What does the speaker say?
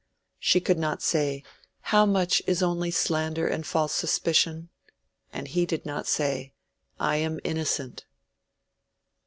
She could not say, "How much is only slander and false suspicion?" and he did not say, "I am innocent."